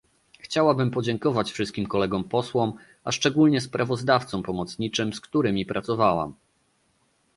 Chciałabym podziękować wszystkim kolegom posłom, a szczególnie sprawozdawcom pomocniczym, z którymi pracowałam